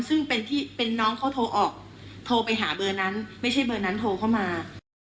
ซึ่งเป็นน้องเขาโทรออกโทรไปหาเบอร์นั้นไม่ใช่เบอร์นั้นโทรเข้ามา